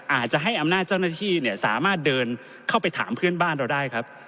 อาจจะให้อำนาจเจ้าหน้าที่เนี่ยสามารถเดินเข้าไปถามเพื่อนบ้านเราได้ครับ